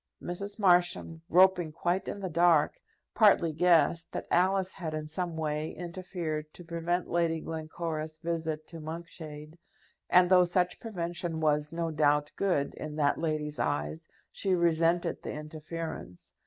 Mrs. Marsham, groping quite in the dark, partly guessed that Alice had in some way interfered to prevent Lady Glencora's visit to Monkshade, and, though such prevention was, no doubt, good in that lady's eyes, she resented the interference.